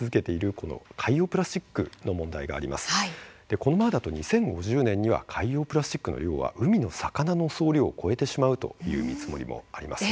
このままだと２０５０年には海洋プラスチックの量は海の魚の総量を超えてしまうという見積もりもあります。